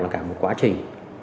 là cả một quá trình